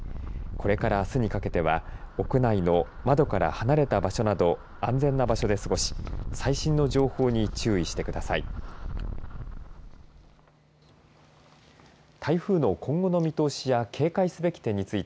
これから、あすにかけては屋内の窓から離れた場所など安全な場所で過ごし最新の情報に注意してください。